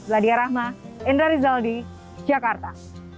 wadidah rahma indra rizal di jakarta